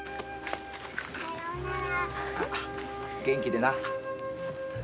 元気でな。